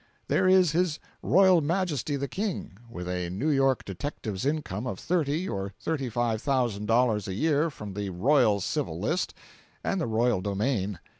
There is his royal Majesty the King, with a New York detective's income of thirty or thirty five thousand dollars a year from the "royal civil list" and the "royal domain."